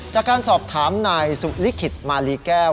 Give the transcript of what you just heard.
จากการสอบถามนายสุลิขิตมาลีแก้ว